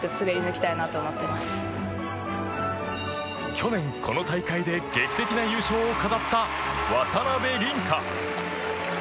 去年、この大会で劇的な優勝を飾った渡辺倫果。